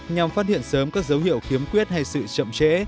nhằm phát hiện sớm các dấu hiệu khiếm quyết hay sự chậm trễ